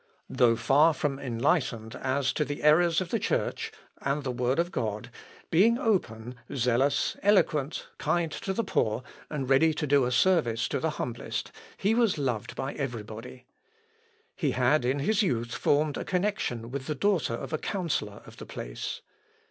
Though far from enlightened as to the errors of the Church and the Word of God, being open, zealous, eloquent, kind to the poor, and ready to do a service to the humblest, he was loved by every body. He had in his youth formed a connection with the daughter of a counsellor of the place.